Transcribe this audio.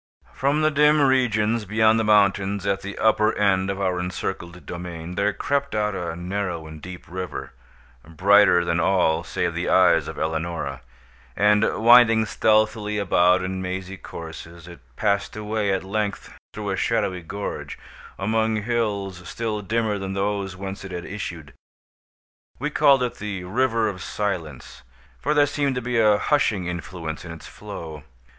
From the dim regions beyond the mountains at the upper end of our encircled domain, there crept out a narrow and deep river, brighter than all save the eyes of Eleonora; and, winding stealthily about in mazy courses, it passed away, at length, through a shadowy gorge, among hills still dimmer than those whence it had issued. We called it the "River of Silence"; for there seemed to be a hushing influence in its flow.